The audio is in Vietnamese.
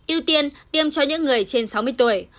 ưu tiên tiêm cho những người trên sáu mươi tuổi